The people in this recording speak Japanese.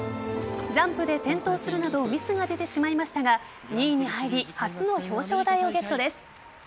ジャンプで転倒するなどミスが出てしまいましたが２位に入り初の表彰台をゲットです。